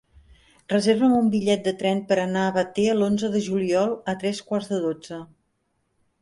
Reserva'm un bitllet de tren per anar a Batea l'onze de juliol a tres quarts de dotze.